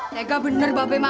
tega bener ba be emak